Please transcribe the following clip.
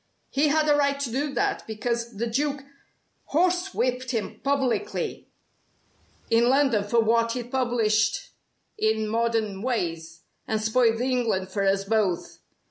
He had a right to do that, because the Duke horsewhipped him publicly in London for what he'd published in Modern Ways, and spoiled England for us both.